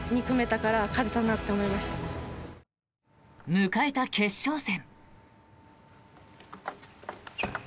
迎えた決勝戦。